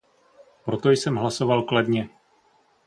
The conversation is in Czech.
Proto jsem hlasoval kladně.